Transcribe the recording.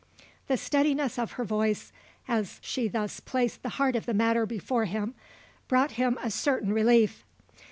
The steadiness of her voice as she thus placed the heart of the matter before him brought him a certain relief.